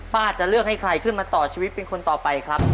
จะเลือกให้ใครขึ้นมาต่อชีวิตเป็นคนต่อไปครับ